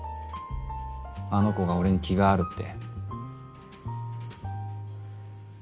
あの子が俺に気があるって。